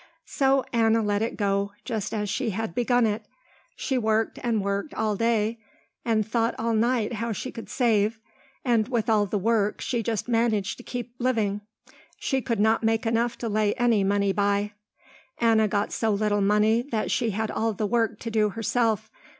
So Anna let it go just as she had begun it. She worked and worked all day and thought all night how she could save, and with all the work she just managed to keep living. She could not make enough to lay any money by. Anna got so little money that she had all the work to do herself.